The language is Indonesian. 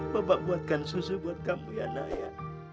bapak buatkan susu buat kamu ya naya